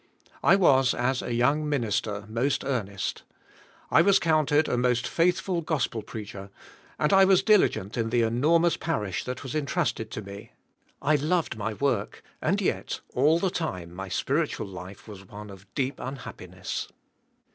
I was, as a young minister, most earnest. I was counted a most faith ful gospel preacher, and I was diligent in the enor mous parish that was entrusted to me. I loved my work and yet all the time my spiritual life was one of deep unhappiness.